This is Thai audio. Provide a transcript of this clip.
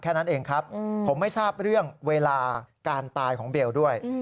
แค่นั้นเองครับผมไม่ทราบเรื่องเวลาการตายของเบลด้วย